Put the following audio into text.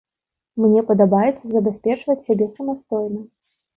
Мне падабаецца забяспечваць сябе самастойна.